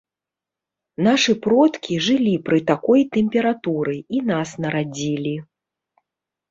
Нашы продкі жылі пры такой тэмпературы і нас нарадзілі.